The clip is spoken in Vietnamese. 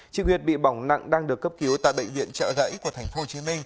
chị nguyệt bị bỏng nặng đang được cấp cứu tại bệnh viện chợ rẫy của tp hcm